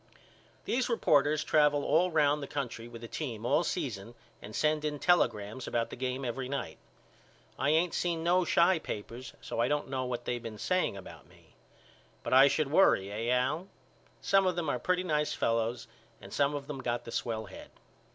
These reporters travel all round the country with the team all season and send in telegrams about the game every night. I ain't seen no Chi papers so I don't know what they been saying about me. But I should worry eh Al? Some of them are pretty nice fellows and some of them got the swell head.